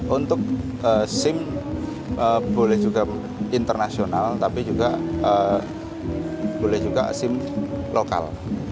untuk sim boleh juga internasional tapi juga boleh juga sim lokal